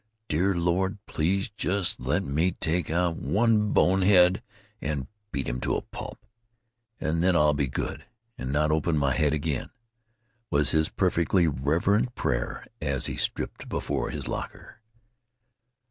"Dear Lord, please just let me take out just one bonehead and beat him to a pulp, and then I'll be good and not open my head again," was his perfectly reverent prayer as he stripped before his locker.